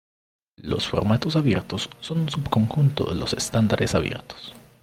Los formatos abiertos son un subconjunto de los estándares abiertos.